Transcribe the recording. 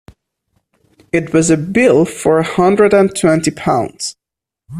It was a bill for a hundred and twenty pounds.